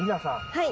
はい。